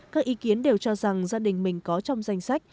các ý kiến đều cho rằng gia đình mình có trong danh sách